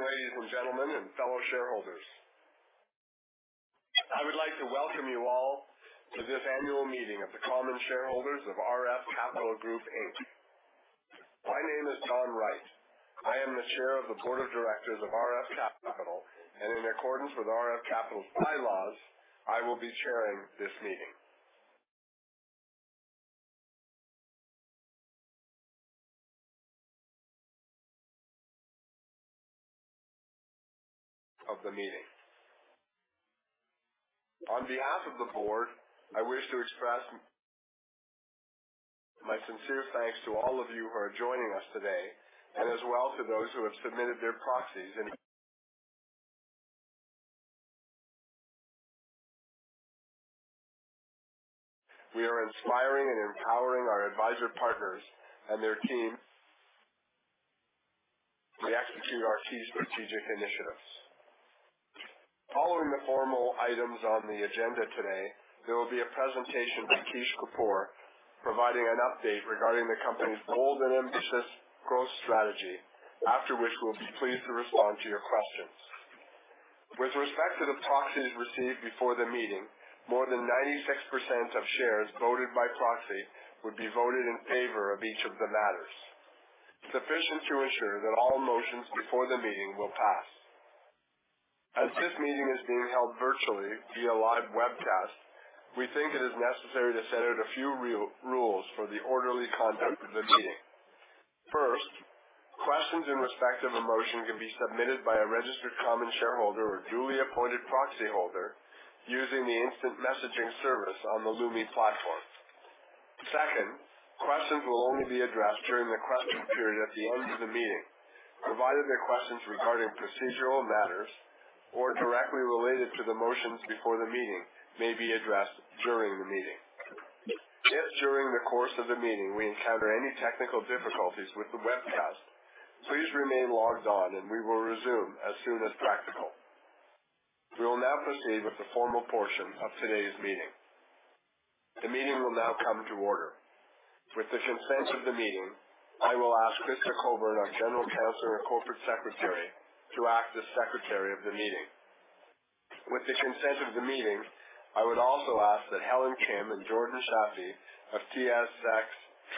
Good morning, ladies and gentlemen and fellow shareholders. I would like to welcome you all to this annual meeting of the common shareholders of RF Capital Group Inc. My name is Don Wright. I am the Chair of the board of directors of RF Capital, and in accordance with RF Capital's bylaws, I will be chairing this meeting. On behalf of the board, I wish to express my sincere thanks to all of you who are joining us today and as well to those who have submitted their proxies. Your inspiring and empowering our partners and their teams] [key strategic initiatives] Following the formal items on the agenda today, there will be a presentation by Kish Kapoor providing an update regarding the company's bold and ambitious growth strategy, after which we'll be pleased to respond to your questions. With respect to the proxies received before the meeting, more than 96% of shares voted by proxy would be voted in favor of each of the matters, sufficient to ensure that all motions before the meeting will pass. As this meeting is being held virtually via live webcast, we think it is necessary to set out a few rules for the orderly conduct of the meeting. First, questions in respect of a motion can be submitted by a registered common shareholder or duly appointed proxyholder using the instant messaging service on the Lumi platform. Second, questions will only be addressed during the question period at the end of the meeting, provided they're questions regarding procedural matters or directly related to the motions before the meeting, may be addressed during the meeting. If during the course of the meeting, we encounter any technical difficulties with the webcast, please remain logged on, and we will resume as soon as practical. We will now proceed with the formal portion of today's meeting. The meeting will now come to order. With the consent of the meeting, I will ask Krista Coburn, our General Counsel and Corporate Secretary, to act as Secretary of the meeting. With the consent of the meeting, I would also ask that Helen Kim and Jordan Shafi of TSX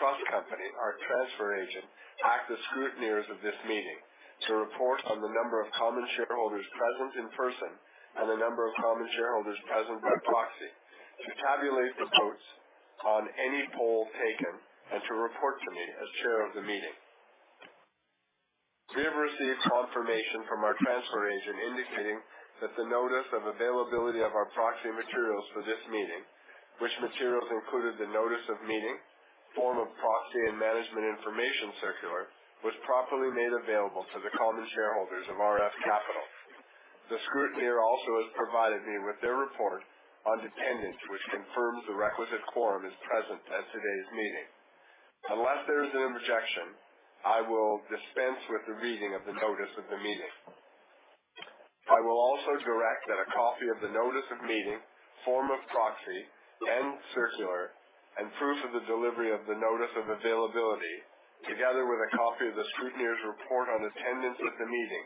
Trust Company, our transfer agent, act as scrutineers of this meeting to report on the number of common shareholders present in person and the number of common shareholders present by proxy, to tabulate the votes on any poll taken, and to report to me as Chair of the meeting. We have received confirmation from our transfer agent indicating that the notice of availability of our proxy materials for this meeting, which materials included the notice of meeting, form of proxy and management information circular, was properly made available to the common shareholders of RF Capital. The scrutineer also has provided me with their report on attendance, which confirms the requisite quorum is present at today's meeting. Unless there is an objection, I will dispense with the reading of the notice of the meeting. I will also direct that a copy of the notice of meeting, form of proxy and circular, and proof of the delivery of the notice of availability, together with a copy of the scrutineer's report on attendance at the meeting,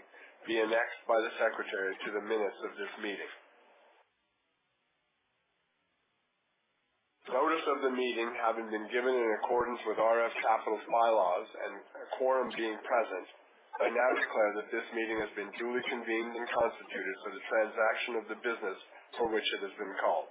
be annexed by the Secretary to the minutes of this meeting. Notice of the meeting having been given in accordance with RF Capital's bylaws and a quorum being present, I now declare that this meeting has been duly convened and constituted for the transaction of the business for which it has been called.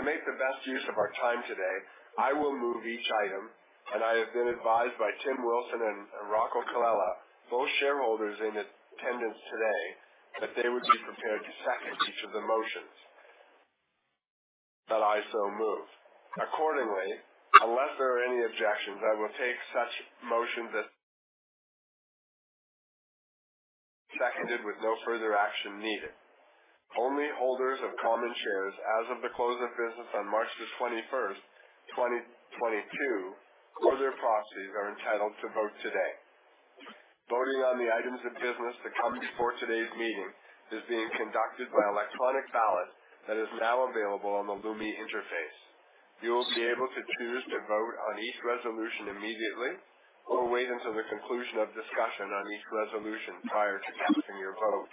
To make the best use of our time today, I will move each item, and I have been advised by Tim Wilson and Rocco Colella, both shareholders in attendance today, that they would be prepared to second each of the motions that I so move. Accordingly, unless there are any objections, I will take such motion seconded with no further action needed. Only holders of common shares as of the close of business on March 21st, 2022 or their proxies are entitled to vote today. Voting on the items of business that come before today's meeting is being conducted by electronic ballot that is now available on the Lumi interface. You will be able to choose to vote on each resolution immediately or wait until the conclusion of discussion on each resolution prior to casting your vote.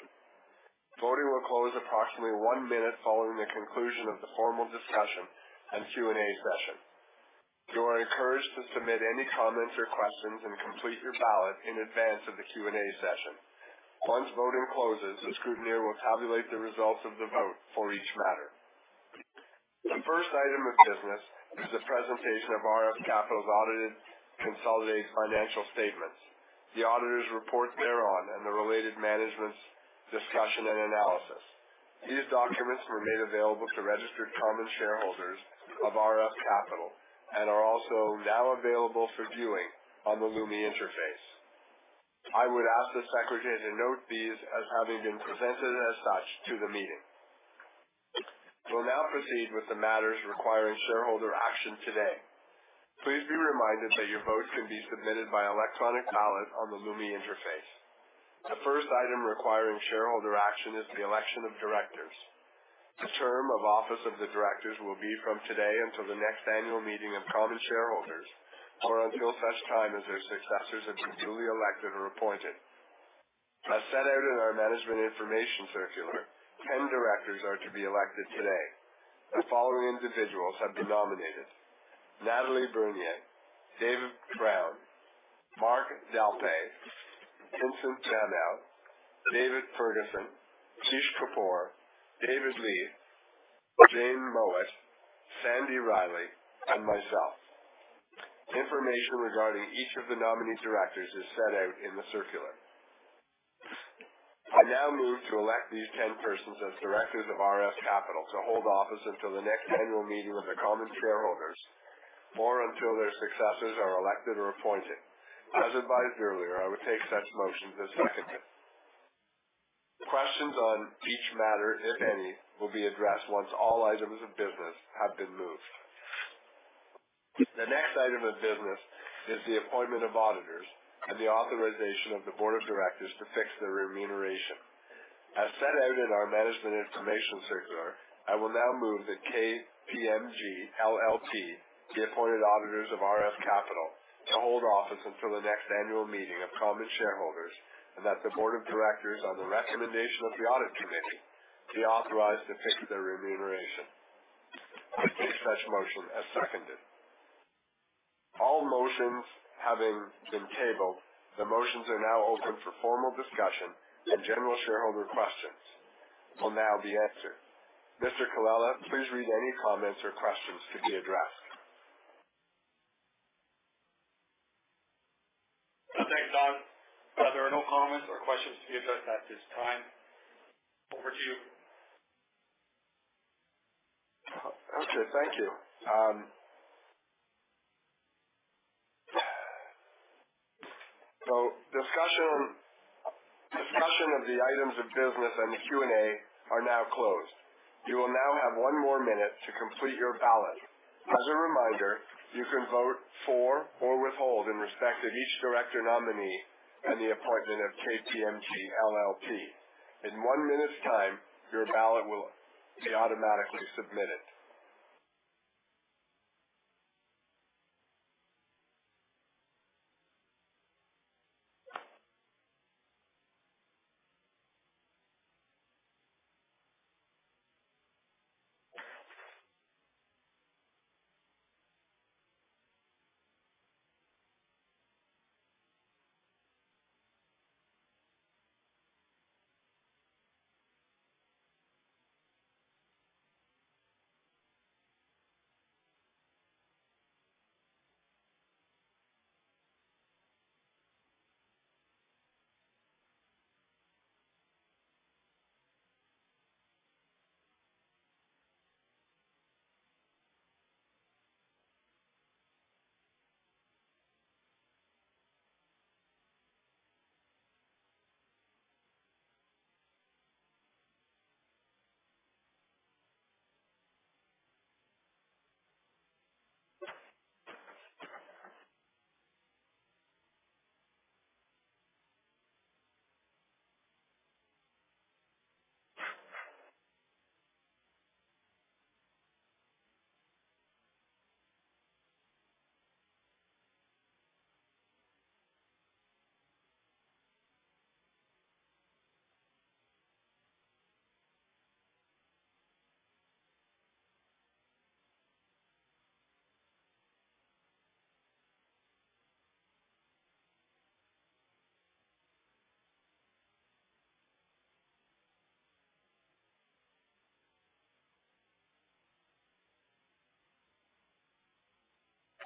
Voting will close approximately one minute following the conclusion of the formal discussion and Q&A session. You are encouraged to submit any comments or questions and complete your ballot in advance of the Q&A session. Once voting closes, the scrutineer will tabulate the results of the vote for each matter. The first item of business is a presentation of RF Capital's audited consolidated financial statements, the auditors' report thereon, and the related management's discussion and analysis. These documents were made available to registered common shareholders of RF Capital and are also now available for viewing on the Lumi interface. I would ask the Secretary to note these as having been presented as such to the meeting. We'll now proceed with the matters requiring shareholder action today. Please be reminded that your vote can be submitted by electronic ballot on the Lumi interface. The first item requiring shareholder action is the election of directors. The term of office of the directors will be from today until the next annual meeting of common shareholders or until such time as their successors have been duly elected or appointed. As set out in our management information circular, 10 directors are to be elected today. The following individuals have been nominated: Nathalie Bernier, David Brown, Marc Dalpé, Vincent Duhamel, David Ferguson, Kish Kapoor, David Leith, Jane Mowat, Sandy Riley, and myself. Information regarding each of the nominee directors is set out in the circular. I now move to elect these ten persons as directors of RF Capital to hold office until the next annual meeting of their common shareholders or until their successors are elected or appointed. As advised earlier, I would take such motions as seconded. Questions on each matter, if any, will be addressed once all items of business have been moved. The next item of business is the appointment of auditors and the authorization of the board of directors to fix their remuneration. As set out in our management information circular, I will now move that KPMG LLP be appointed auditors of RF Capital to hold office until the next annual meeting of common shareholders, and that the board of directors, on the recommendation of the audit committee, be authorized to fix their remuneration. I take such motion as seconded. All motions having been tabled, the motions are now open for formal discussion and general shareholder questions will now be answered. Mr. Colella, please read any comments or questions to be addressed. Thanks, Don. There are no comments or questions to be addressed at this time. Over to you. Okay, thank you. Discussion of the items of business and the Q&A are now closed. You will now have 1 more minute to complete your ballot. As a reminder, you can vote for or withhold in respect of each director nominee and the appointment of KPMG LLP. In 1 minute's time, your ballot will be automatically submitted.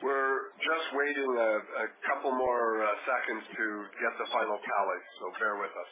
We're just waiting a couple more seconds to get the final tally, so bear with us.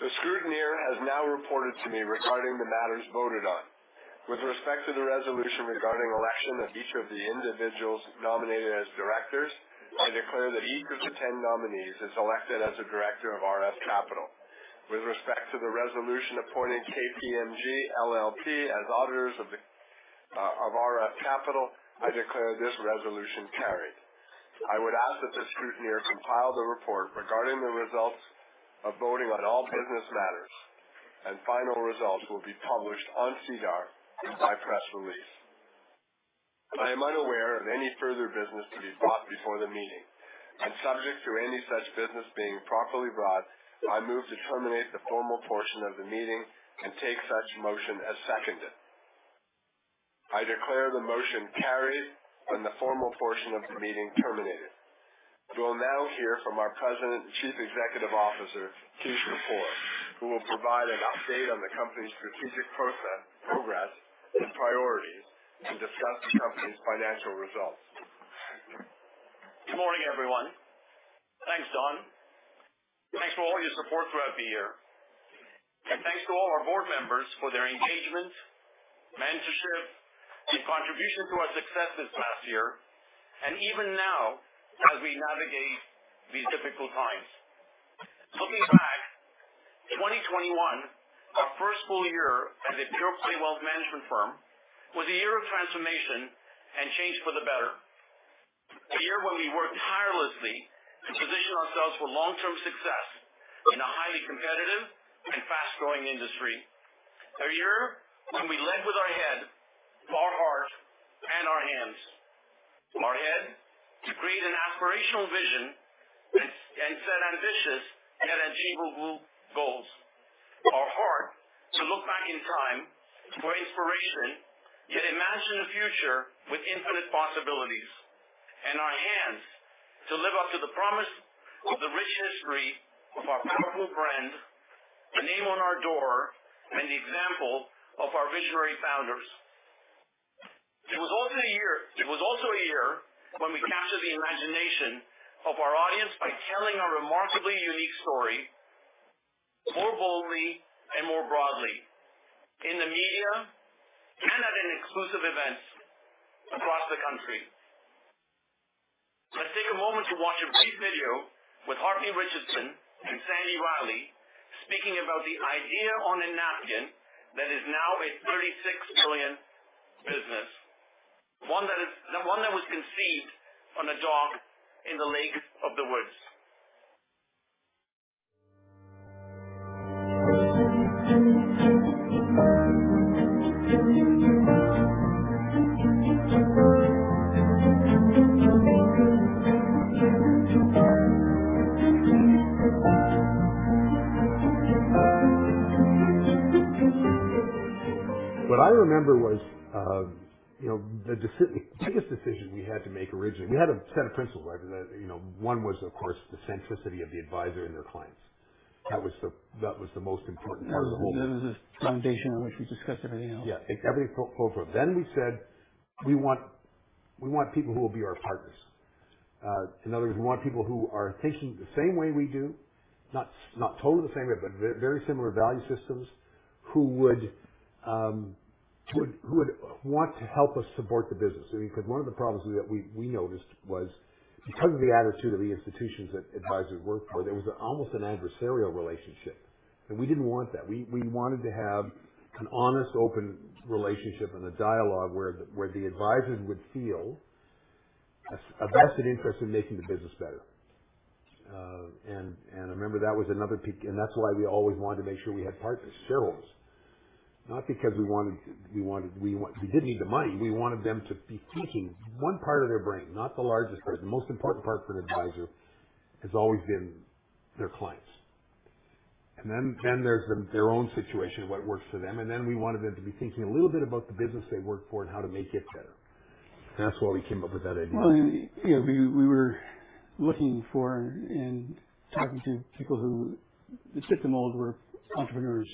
The scrutineer has now reported to me regarding the matters voted on. With respect to the resolution regarding election of each of the individuals nominated as directors, I declare that each of the 10 nominees is elected as a director of RF Capital. With respect to the resolution appointing KPMG LLP as auditors of RF Capital, I declare this resolution carried. I would ask that the scrutineer compile the report regarding the results of voting on all business matters, and final results will be published on SEDAR by press release. I am unaware of any further business to be brought before the meeting, and subject to any such business being properly brought, I move to terminate the formal portion of the meeting and take such motion as seconded. I declare the motion carried and the formal portion of the meeting terminated. You will now hear from our President and Chief Executive Officer, Kish Kapoor, who will provide an update on the company's strategic progress and priorities to discuss the company's financial results. Good morning, everyone. Thanks, Don. Thanks for all your support throughout the year. Thanks to all our board members for their engagement, mentorship, and contribution to our success this past year, and even now as we navigate these difficult times. Looking back, 2021, our first full year as a pure play wealth management firm, was a year of transformation and change for the better. A year when we worked tirelessly to position ourselves for long-term success in a highly competitive and fast-growing industry. A year when we led with our head, our heart, and our hands. Our head to create an aspirational vision and set ambitious and achievable goals. Our heart to look back in time for inspiration, yet imagine a future with infinite possibilities. Ours to live up to the promise of the rich history of our powerful brand, the name on our door, and the example of our visionary founders. It was also a year when we captured the imagination of our audience by telling a remarkably unique story more boldly and more broadly in the media and at exclusive events across the country. Let's take a moment to watch a brief video with Hartley Richardson and Sandy Riley speaking about the idea on a napkin that is now a 36 billion business, the one that was conceived on a dock in the Lake of the Woods. What I remember was, you know, the biggest decision we had to make originally. We had a set of principles, right? That, you know, one was, of course, the centricity of the advisor and their clients. That was the most important part of the whole. That was the foundation on which we discussed everything else. Yeah. Every program. We said, "We want people who will be our partners." In other words, we want people who are thinking the same way we do. Not totally the same way, but very similar value systems. Who would want to help us support the business. Because one of the problems that we noticed was because of the attitude of the institutions that advisors worked for, there was almost an adversarial relationship. We didn't want that. We wanted to have an honest, open relationship and a dialogue where the advisors would feel a vested interest in making the business better. I remember that was another peak. That's why we always wanted to make sure we had partners, shareholders. We didn't need the money. We wanted them to be thinking one part of their brain, not the largest part. The most important part for an advisor has always been their clients. There's their own situation, what works for them. We wanted them to be thinking a little bit about the business they work for and how to make it better. That's why we came up with that idea. Well, you know, we were looking for and talking to people who fit the mold, were entrepreneurs.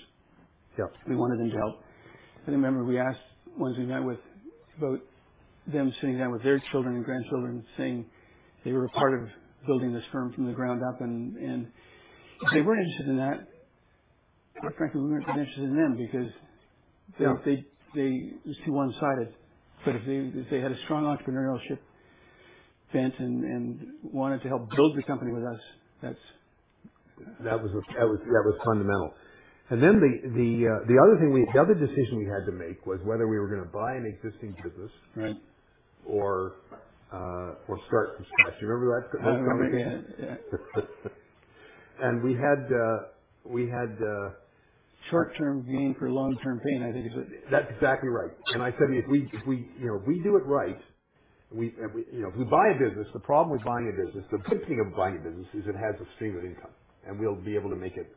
Yeah. We wanted them to help. I remember we asked ones we met with about them sitting down with their children and grandchildren saying they were a part of building this firm from the ground up. If they weren't interested in that, quite frankly, we weren't interested in them. Yeah. It was too one-sided. If they had a strong entrepreneurship bent and wanted to help build the company with us, that's- That was fundamental. The other decision we had to make was whether we were gonna buy an existing business. Right. Start from scratch. You remember that conversation? I remember the end, yeah. We had Short-term gain for long-term pain, I think you said. That's exactly right. I said, "If we, you know, if we do it right, you know, if we buy a business, the problem with buying a business, the good thing of buying a business is it has a stream of income, and we'll be able to make it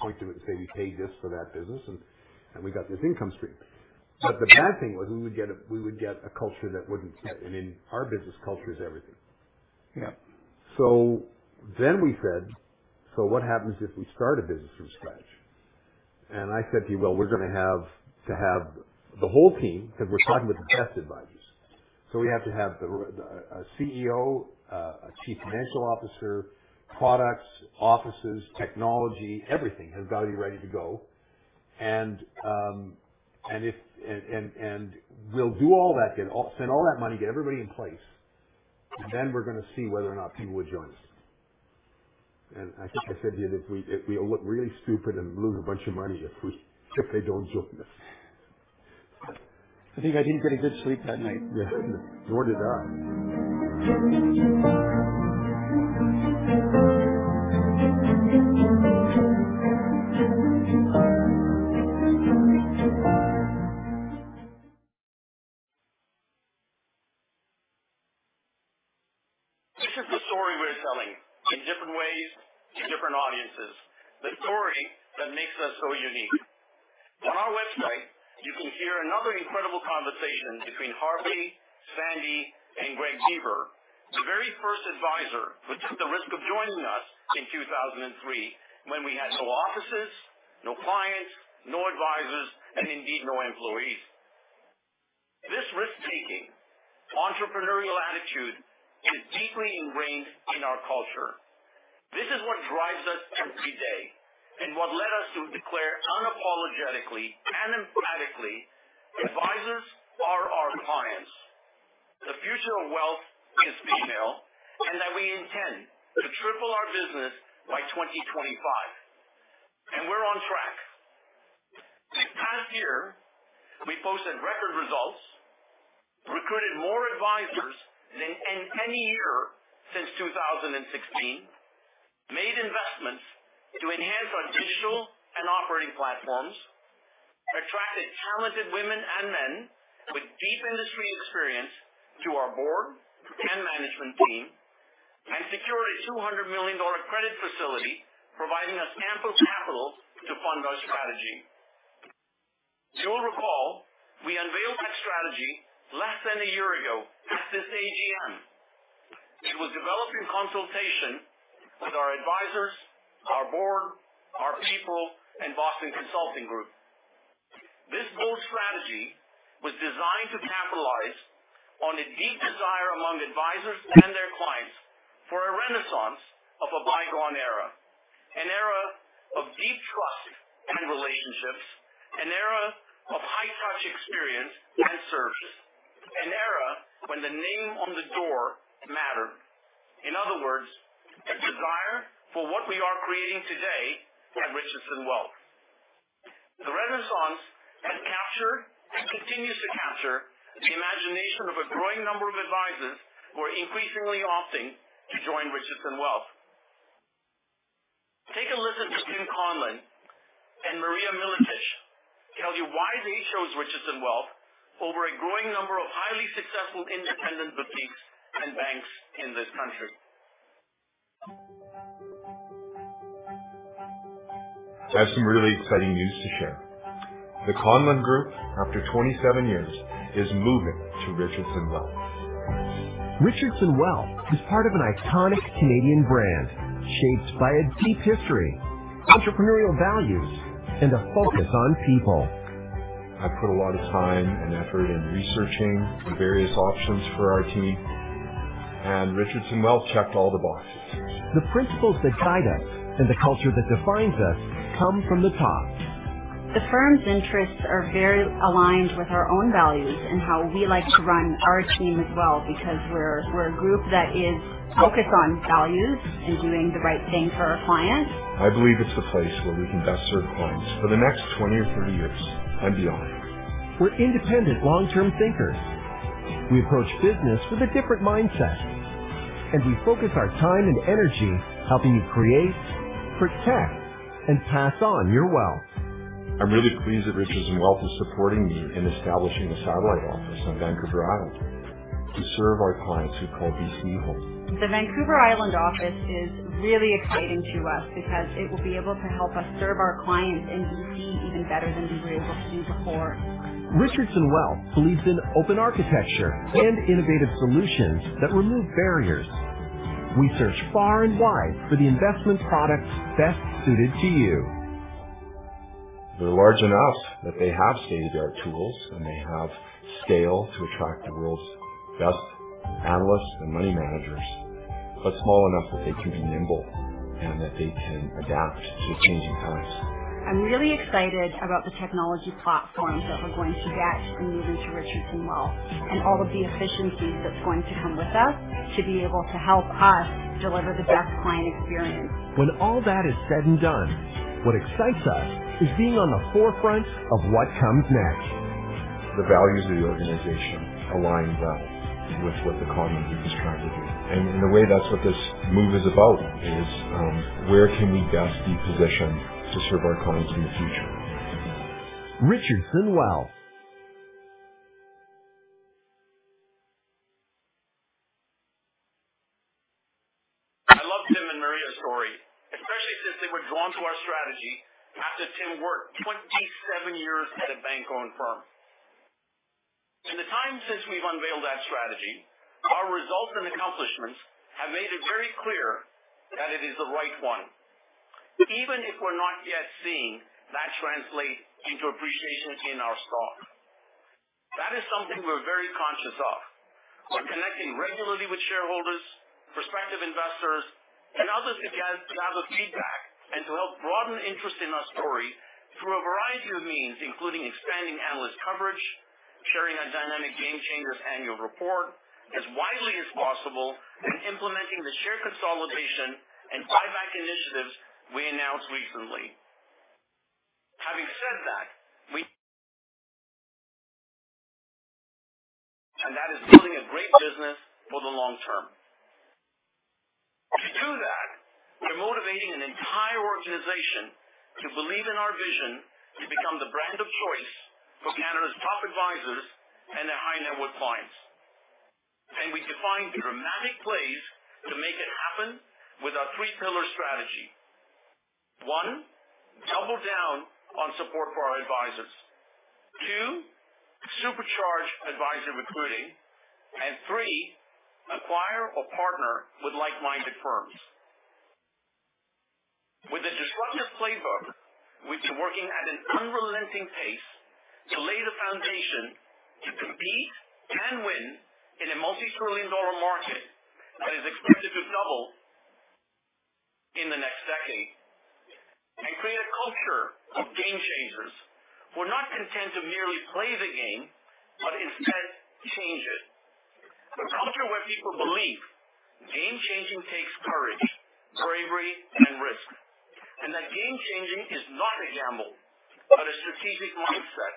point to it and say, we paid this for that business, and we got this income stream." The bad thing was we would get a culture that wouldn't fit. In our business, culture is everything. Yeah. We said, "So what happens if we start a business from scratch?" I said to you, "Well, we're gonna have to have the whole team because we're talking with the best advisors. We have to have a CEO, a chief financial officer, products, offices, technology. Everything has got to be ready to go. And we'll do all that, spend all that money, get everybody in place, and then we're gonna see whether or not people would join us." I think I said to you, "If we look really stupid and lose a bunch of money if they don't join us. I think I didn't get a good sleep that night. Yeah. Nor did I. This is the story we're telling in different ways to different audiences. The story that makes us so unique. On our website, you can hear another incredible conversation between Harvey, Sandy, and Greg Deveaux, the very first advisor who took the risk of joining us in 2003 when we had no offices, no clients, no advisors, and indeed, no employees. This risk-taking entrepreneurial attitude is deeply ingrained in our culture. This is what drives us every day, and what led us to declare unapologetically and emphatically, "Advisors are our clients. The future of wealth is female," and that we intend to triple our business by 2025. We're on track. This past year, we posted record results, recruited more advisors than in any year since 2016, made investments to enhance our digital and operating platforms, attracted talented women and men with deep industry experience to our board and management team, and secured a 200 million dollar credit facility, providing us ample capital to fund our strategy. As you'll recall, we unveiled that strategy less than a year ago at this AGM. It was developed in consultation with our advisors, our board, our people, and Boston Consulting Group. This bold strategy was designed to capitalize on the deep desire among advisors and their clients for a renaissance of a bygone era, an era of deep trust and relationships, an era of high-touch experience and service, an era when the name on the door mattered. In other words, a desire for what we are creating today at Richardson Wealth. The Renaissance has captured and continues to capture the imagination of a growing number of advisors who are increasingly opting to join Richardson Wealth. Take a listen to Tim Conlin and Maria Miletic tell you why they chose Richardson Wealth over a growing number of highly successful independent boutiques and banks in this country. I have some really exciting news to share. The Conlin Group, after 27 years, is moving to Richardson Wealth. Richardson Wealth is part of an iconic Canadian brand shaped by a deep history, entrepreneurial values, and a focus on people. I put a lot of time and effort in researching various options for our team, and Richardson Wealth checked all the boxes. The principles that guide us and the culture that defines us come from the top. The firm's interests are very aligned with our own values and how we like to run our team as well, because we're a group that is focused on values and doing the right thing for our clients. I believe it's the place where we can best serve clients for the next 20 or 30 years and beyond. We're independent long-term thinkers. We approach business with a different mindset, and we focus our time and energy helping you create, protect, and pass on your wealth. I'm really pleased that Richardson Wealth is supporting me in establishing a satellite office on Vancouver Island to serve our clients who call BC home. The Vancouver Island office is really exciting to us because it will be able to help us serve our clients in BC even better than we were able to do before. Richardson Wealth believes in open architecture and innovative solutions that remove barriers. We search far and wide for the investment products best suited to you. They're large enough that they have state-of-the-art tools, and they have scale to attract the world's best analysts and money managers, but small enough that they can be nimble and that they can adapt to the changing times. I'm really excited about the technology platforms that we're going to get from moving to Richardson Wealth and all of the efficiencies that's going to come with that to be able to help us deliver the best client experience. When all that is said and done, what excites us is being on the forefront of what comes next. The values of the organization align well with what the Conlin Group is trying to do. In a way, that's what this move is about, where can we best be positioned to serve our clients in the future? Richardson Wealth. I love Tim and Maria's story, especially since they were drawn to our strategy after Tim worked 27 years at a bank-owned firm. In the time since we've unveiled that strategy, our results and accomplishments have made it very clear that it is the right one, even if we're not yet seeing that translate into appreciation in our stock. That is something we're very conscious of. We're connecting regularly with shareholders, prospective investors, and others to gather feedback and to help broaden interest in our story through a variety of means, including expanding analyst coverage, sharing our dynamic Gamechangers annual report as widely as possible, and implementing the share consolidation and buyback initiatives we announced recently. Having said that, we're a great business for the long term. To do that, we're motivating an entire organization to believe in our vision to become the brand of choice for Canada's top advisors and their high-net-worth clients. We define dramatic plays to make it happen with our three-pillar strategy. One, double down on support for our advisors. Two, supercharge advisor recruiting and three, acquire or partner with like-minded firms. With the disruptive playbook, we've been working at an unrelenting pace to lay the foundation to compete and win in a multi-trillion-dollar market that is expected to double in the next decade and create a culture of game changers who are not content to merely play the game, but instead change it. A culture where people believe game changing takes courage, bravery, and risk. That game changing is not a gamble, but a strategic mindset.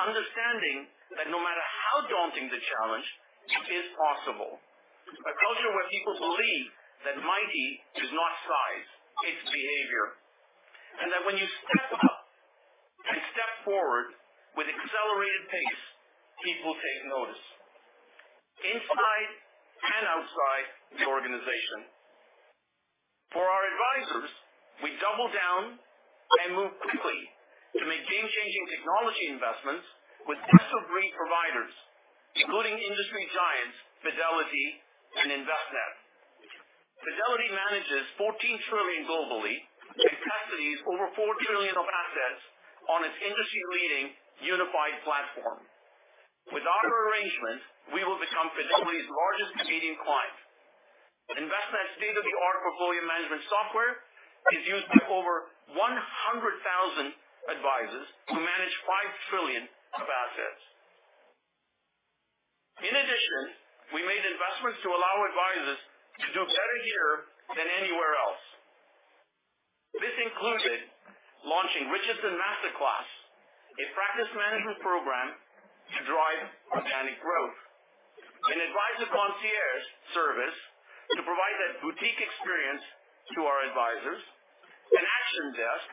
Understanding that no matter how daunting the challenge, it is possible. A culture where people believe that mighty is not size, it's behavior. That when you step up and step forward with accelerated pace, people take notice inside and outside the organization. For our advisors, we double down and move quickly to make game-changing technology investments with best-of-breed providers, including industry giants Fidelity and Envestnet. Fidelity manages $14 trillion globally and custodies over $4 trillion of assets on its industry-leading unified platform. With our arrangement, we will become Fidelity's largest Canadian client. Envestnet state-of-the-art portfolio management software is used by over 100,000 advisors who manage $5 trillion of assets. In addition, we made investments to allow advisors to do better here than anywhere else. This included launching Richardson Master Class, a practice management program to drive organic growth. An advisor concierge service to provide that boutique experience to our advisors. An action desk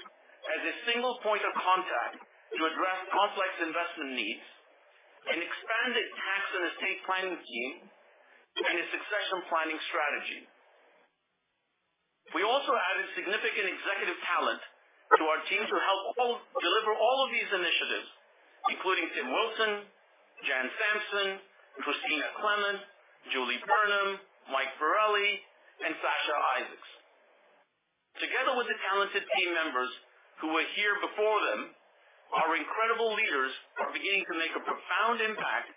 as a single point of contact to address complex investment needs. An expanded tax and estate planning team and a succession planning strategy. We also added significant executive talent to our team to help deliver all of these initiatives, including Tim Wilson, Jan Sampson, Christina Clement, Julie Burnham, Mike Borelli, and Sascha Isaacs. Together with the talented team members who were here before them, our incredible leaders are beginning to make a profound impact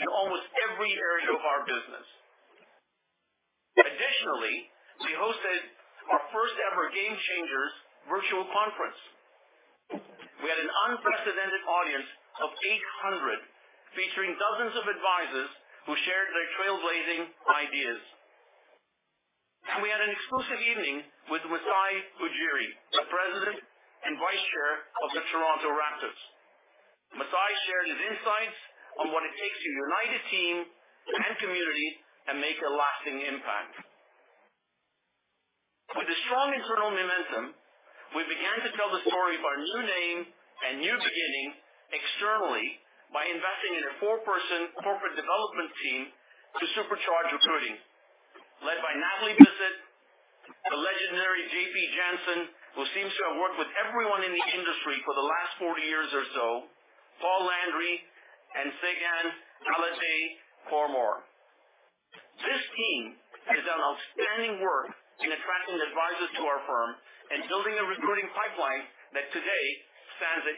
in almost every area of our business. Additionally, we hosted our first ever Gamechangers virtual conference. We had an unprecedented audience of 800, featuring dozens of advisors who shared their trailblazing ideas. We had an exclusive evening with Masai Ujiri, the President and Vice Chair of the Toronto Raptors. Masai shared his insights on what it takes to unite a team and community and make a lasting impact. With the strong internal momentum, we began to tell the story of our new name and new beginning externally by investing in a 4-person corporate development team to supercharge recruiting. Led by Natalie Bisset, the legendary J.P. Janson, who seems to have worked with everyone in the industry for the last 40 years or so, Paul Landry, and Seyhan Haletay and more. This team has done outstanding work in attracting advisors to our firm and building a recruiting pipeline that today stands at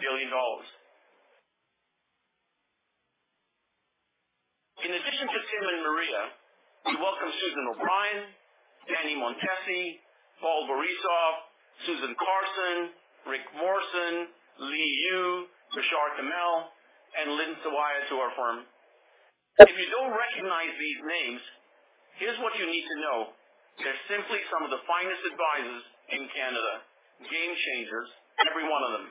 18 billion dollars. In addition to Tim and Maria, we welcome Susan O'Brien, Danny Montessi, Paul Borisoff, Susan Carson, Rick Morson, Li Yu, Rashad Kamel, and Lynn Sawaya to our firm. If you don't recognize these names, here's what you need to know. They're simply some of the finest advisors in Canada, game changers, every one of them.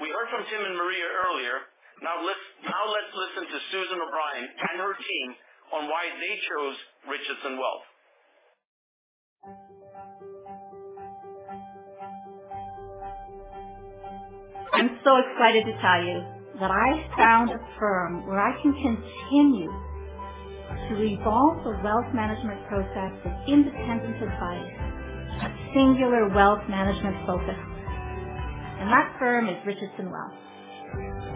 We heard from Tim and Maria earlier. Now let's listen to Susan O'Brien and her team on why they chose Richardson Wealth. I'm so excited to tell you that I found a firm where I can continue to evolve the wealth management process with independent advice, a singular wealth management focus. That firm is Richardson Wealth.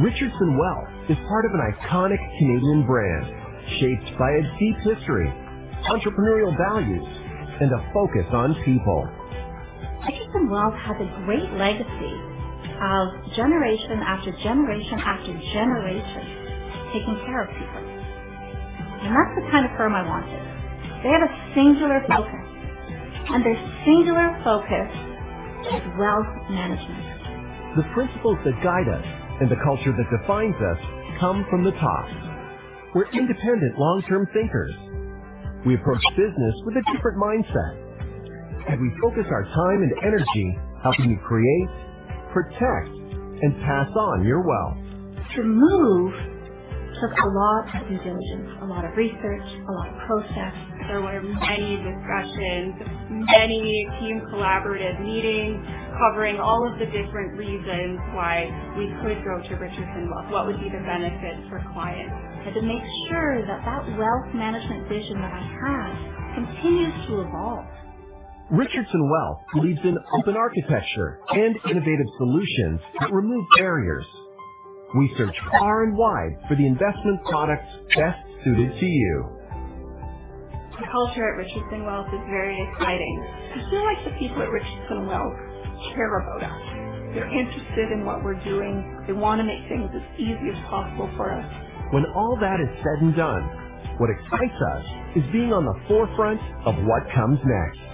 Richardson Wealth is part of an iconic Canadian brand, shaped by a deep history, entrepreneurial values, and a focus on people. Richardson Wealth has a great legacy of generation after generation after generation taking care of people. That's the kind of firm I wanted. They have a singular focus, and their singular focus is wealth management. The principles that guide us and the culture that defines us come from the top. We're independent long-term thinkers. We approach business with a different mindset, and we focus our time and energy helping you create, protect, and pass on your wealth. The move took a lot of due diligence, a lot of research, a lot of process. There were many discussions, many team collaborative meetings covering all of the different reasons why we could go to Richardson Wealth. What would be the benefits for clients. To make sure that wealth management vision that I had continues to evolve. Richardson Wealth believes in open architecture and innovative solutions that remove barriers. We search far and wide for the investment products best suited to you. The culture at Richardson Wealth is very exciting. I feel like the people at Richardson Wealth care about us. They're interested in what we're doing. They want to make things as easy as possible for us. When all that is said and done, what excites us is being on the forefront of what comes next.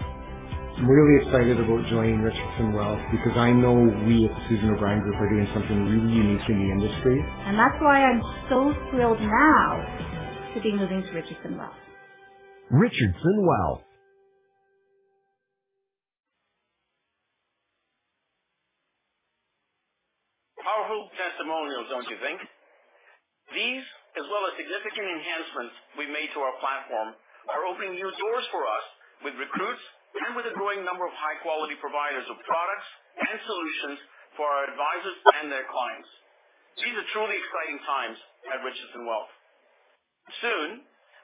I'm really excited about joining Richardson Wealth because I know we at Susan O'Brien Group are doing something really unique in the industry. That's why I'm so thrilled now to be moving to Richardson Wealth. Richardson Wealth. Powerful testimonials, don't you think? These, as well as significant enhancements we made to our platform, are opening new doors for us with recruits and with a growing number of high-quality providers of products and solutions for our advisors and their clients. These are truly exciting times at Richardson Wealth. Soon,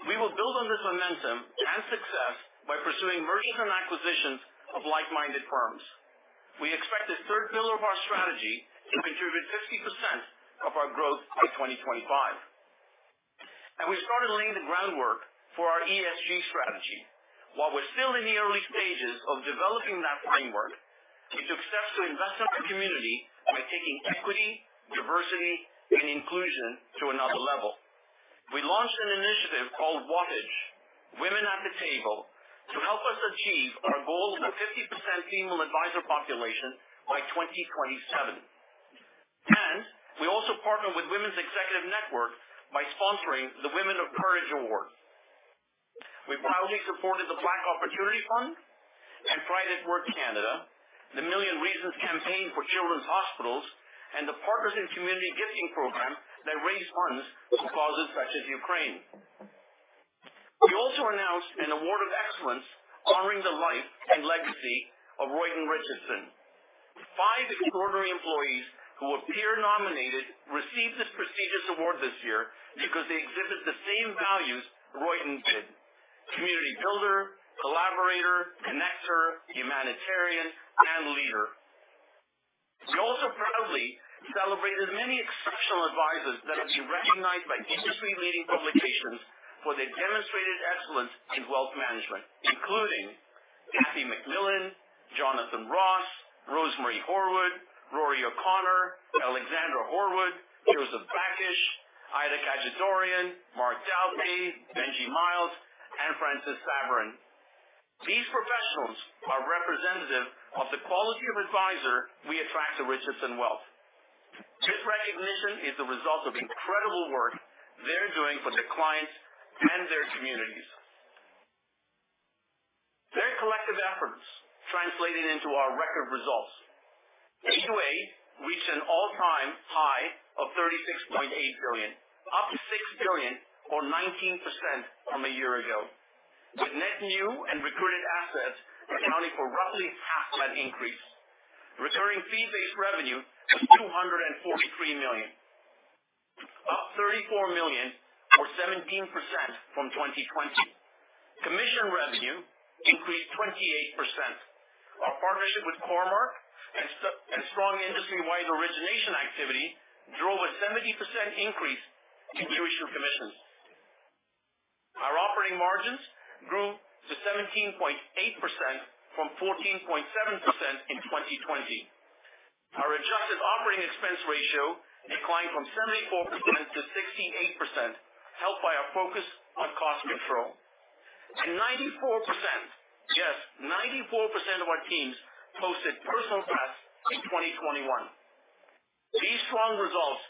we will build on this momentum and success by pursuing mergers and acquisitions of like-minded firms. We expect this third pillar of our strategy to contribute 50% of our growth by 2025. We started laying the groundwork for our ESG strategy. While we're still in the early stages of developing that framework, we took steps to invest in our community by taking equity, diversity, and inclusion to another level. We launched an initiative called WAT to help us achieve our goal of a 50% female advisor population by 2027. We also partnered with Women's Executive Network by sponsoring the Women of Courage Award. We proudly supported the Black Opportunity Fund and Pride at Work Canada, the Million Reasons Run for Children's Hospitals, and the Partners in Community Gifting Program that raised funds for causes such as Ukraine. We also announced an award of excellence honoring the life and legacy of Royden Richardson. Five extraordinary employees who were peer-nominated received this prestigious award this year because they exhibit the same values Royden did, community builder, collaborator, connector, humanitarian, and leader. We also proudly celebrated many exceptional advisors that have been recognized by industry-leading publications for their demonstrated excellence in wealth management, including Kathy McMillan, Jonathan Ross, Rosemary Horwood, Rory O'Connor, Alexandra Horwood, Joseph Bakish, Ida Khajadourian, Marc Dalpé, Benji Miles, and Francis Sabourin. These professionals are representative of the quality of advisor we attract to Richardson Wealth. This recognition is the result of incredible work they're doing for their clients and their communities. Their collective efforts translated into our record results. AUA reached an all-time high of 36.8 billion, up 6 billion or 19% from a year ago, with net new and recruited assets accounting for roughly half of that increase. Recurring fee-based revenue of 243 million, up 34 million or 17% from 2020. Commission revenue increased 28%. Our partnership with Cormark and institutional and strong industry-wide origination activity drove a 70% increase in institutional commissions. Our operating margins grew to 17.8% from 14.7% in 2020. Our adjusted operating expense ratio declined from 74%-68%, helped by our focus on cost control. Ninety-four percent, yes, 94% of our teams posted personal bests in 2021. These strong results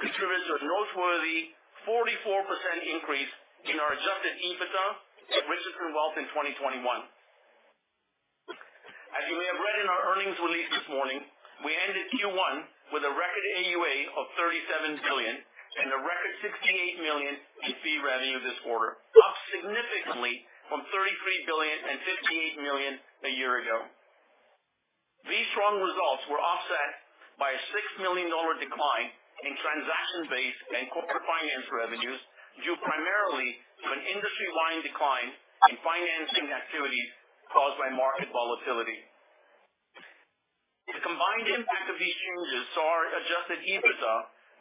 contributed to a noteworthy 44% increase in our adjusted EBITDA at Richardson Wealth in 2021. As you may have read in our earnings release this morning, we ended Q1 with a record AUA of 37 billion and a record 68 million in fee revenue this quarter, up significantly from 33 billion and 58 million a year ago. These strong results were offset by a 6 million dollar decline in transaction-based and corporate finance revenues, due primarily to an industry-wide decline in financing activities caused by market volatility. The combined impact of these changes saw our adjusted EBITDA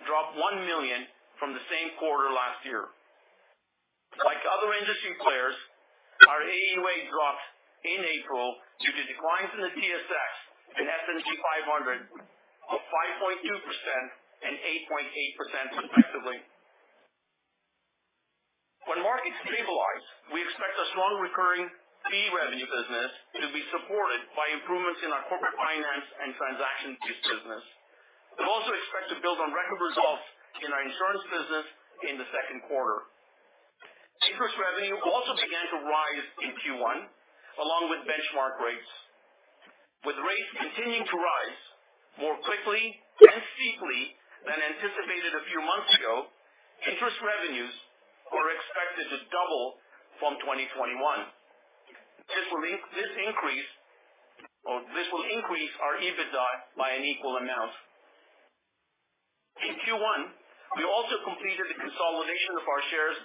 drop 1 million from the same quarter last year. Like other industry players, our AUA dropped in April due to declines in the TSX and S&P 500 of 5.2% and 8.8% respectively. When markets stabilize, we expect a strong recurring fee revenue business to be supported by improvements in our corporate finance and transaction fee business. We also expect to build on record results in our insurance business in the second quarter. Interest revenue also began to rise in Q1 along with benchmark rates. With rates continuing to rise more quickly and steeply than anticipated a few months ago, interest revenues are expected to double from 2021. This will increase our EBITDA by an equal amount. In Q1, we also completed the consolidation of our shares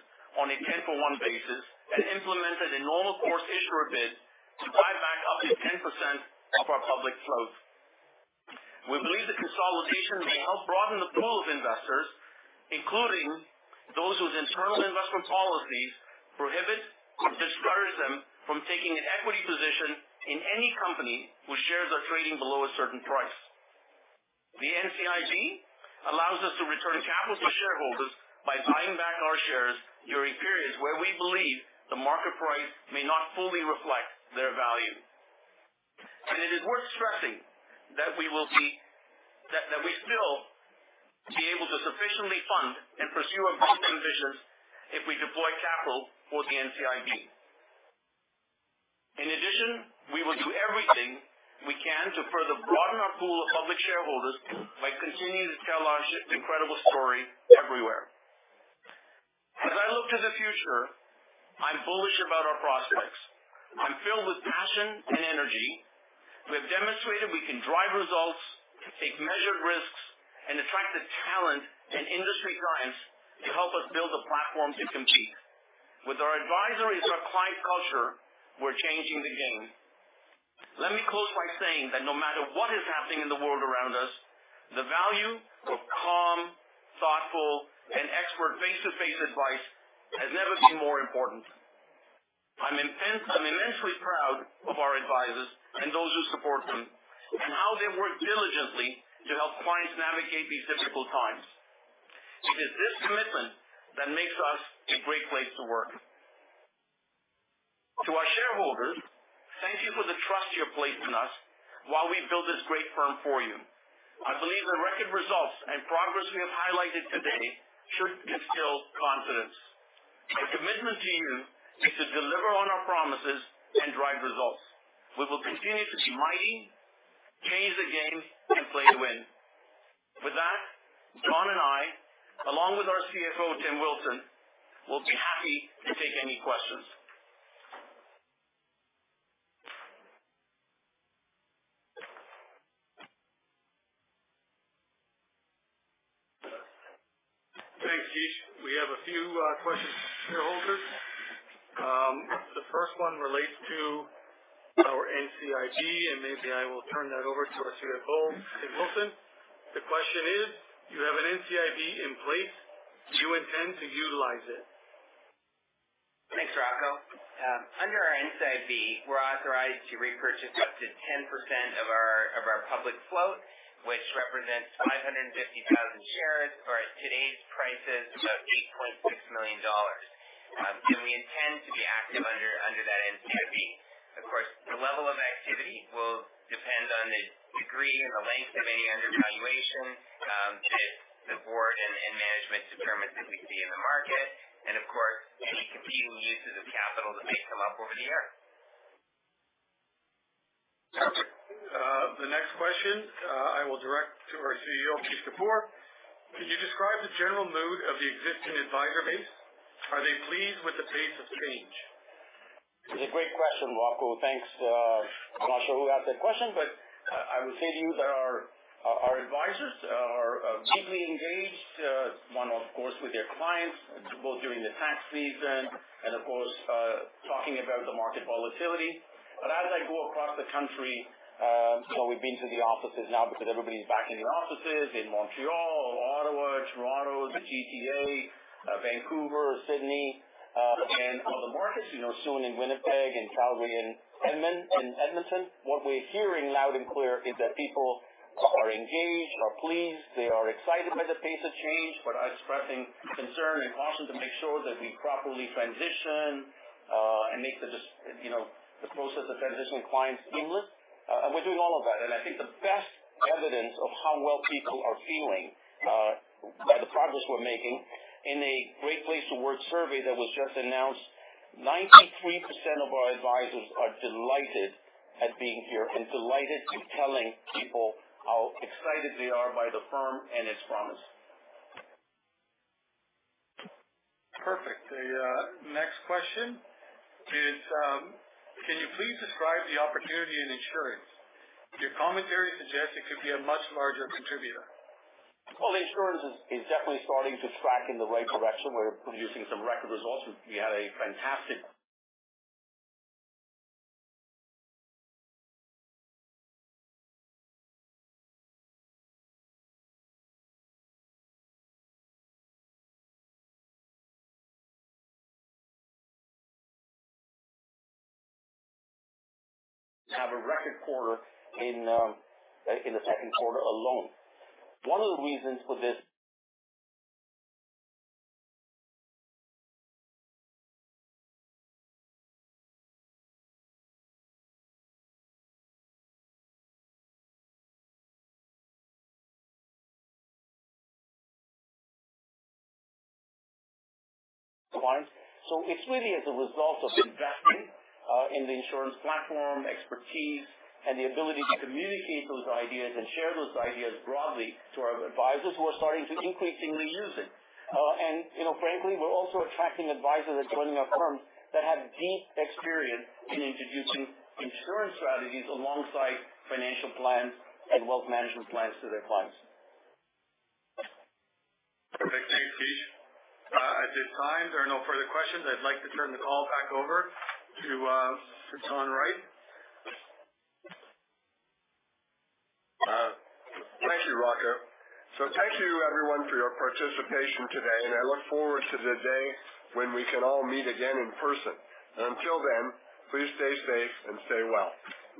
on a 10-for-1 basis and implemented a normal course issuer bid to buy back up to 10% of our public float. We believe the consolidation may help broaden the pool of investors, including those whose internal investment policies prohibit or discourage them from taking an equity position in any company whose shares are trading below a certain price. The NCIB allows us to return capital to shareholders by buying back our shares during periods where we believe the market price may not fully reflect their value. It is worth stressing that we still be able to sufficiently fund and pursue our growth ambitions if we deploy capital for the NCIB. In addition, we will do everything we can to further broaden our pool of public shareholders by continuing to tell our incredible story everywhere. As I look to the future, I'm bullish about our prospects. I'm filled with passion and energy. We have demonstrated we can drive results, take measured risks, and attract the talent and industry clients to help us build a platform to compete. With our advisory to our client culture, we're changing the game. Let me close by saying that no matter what is happening in the world around us, the value of calm, thoughtful, and expert face-to-face advice has never been more important. I'm immensely proud of our advisors and those who support them and how they work diligently to help clients navigate these difficult times. It is this commitment that makes us a great place to work. To our shareholders, thank you for the trust you have placed in us while we build this great firm for you. I believe the record results and progress we have highlighted today should instill confidence. Our commitment to you is to deliver on our promises and drive results. We will continue to be mighty, change the game, and play to win. With that, Don and I, along with our CFO, Tim Wilson, will be happy to take any questions. Thanks, Kish. We have a few questions from shareholders. The first one relates to our NCIB, and maybe I will turn that over to our CFO, Tim Wilson. The question is, you have an NCIB in place. Do you intend to utilize it? Thanks, Rocco. Under our NCIB, we're authorized to repurchase up to 10% of our public float, which represents 550,000 shares or at today's prices, about CAD 8.6 million. We intend to be active under that NCIB. Of course, the level of activity will depend on the degree and the length of any undervaluation that the board and management determines that we see in the market, and of course, any competing uses of capital that may come up over the year. The next question I will direct to our CEO, Kishore Kapoor. Could you describe the general mood of the existing advisor base? Are they pleased with the pace of change? It's a great question, Rocco. Thanks. I'm not sure who asked that question, but I would say to you that our advisors are deeply engaged. One of course with their clients, both during the tax season and of course talking about the market volatility. As I go across the country, you know, we've been to the offices now because everybody's back in the offices in Montreal, Ottawa, Toronto, the GTA, Vancouver, Sudbury, and on the Maritimes, you know, soon in Winnipeg, in Calgary, and Edmonton. What we're hearing loud and clear is that people are engaged, are pleased. They are excited by the pace of change, but are expressing concern and caution to make sure that we properly transition and make the transition just, you know, the process of transitioning clients seamless. We're doing all of that. I think the best evidence of how well people are feeling by the progress we're making in a great place to work survey that was just announced, 93% of our advisors are delighted at being here and delighted in telling people how excited they are by the firm and its promise. Perfect. The next question is, can you please describe the opportunity in insurance? Your commentary suggests it could be a much larger contributor. Well, the insurance is definitely starting to track in the right direction. We're producing some record results. We have a record quarter in the second quarter alone. One of the reasons for this is really as a result of investing in the insurance platform expertise and the ability to communicate those ideas and share those ideas broadly to our advisors who are starting to increasingly use it. You know, frankly, we're also attracting advisors and joining our firms that have deep experience in introducing insurance strategies alongside financial plans and wealth management plans to their clients. Perfect. Thank you, Kish. At this time, there are no further questions. I'd like to turn the call back over to Don Wright. Thank you, Rocco. Thank you everyone for your participation today, and I look forward to the day when we can all meet again in person. Until then, please stay safe and stay well.